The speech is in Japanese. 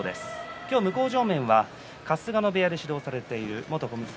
今日、向正面は春日野部屋で指導をされている元小結